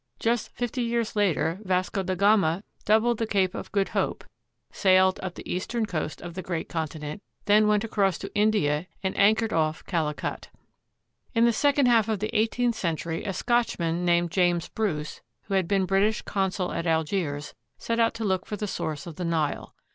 Just fifty years later, Vasco da Gama doubled the Cape of Good Hope, sailed up the eastern coast of the great continent, then went across to India, and anchored off Calicut. In the second half of the eighteenth century a Scotchman named James Bruce, who had been British consul at Algiers, set out to look for the source of the Nile.